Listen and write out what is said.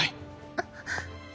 あっ。